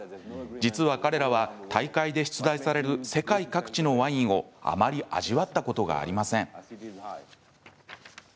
実は彼らは大会で出題される世界各地のワインをあまり味わったことがありません。